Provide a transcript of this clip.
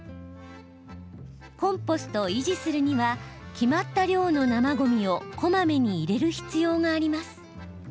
コンポストを維持するには決まった量の生ごみをこまめに入れる必要があります。